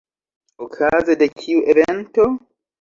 Okaze de kiu evento?